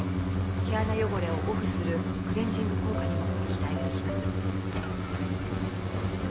毛穴汚れをオフするクレンジング効果にも期待ができます。